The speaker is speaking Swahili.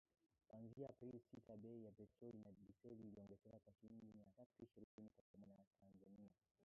kuanzia Aprili sita bei ya petroli na dizeli iliongezeka kwa shilingi mia tatu ishirini na moja za Tanzania